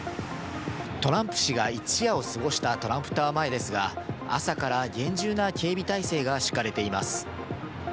トランプ氏が一夜を過ごしたトランプタワー前ですが朝から厳重な警備態勢が敷かれています。